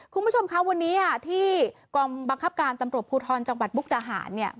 คุณผู้ชมคะวันนี้ที่กองบังคับการตำรวจภูทรจังหวัดมุกดาหารเนี่ย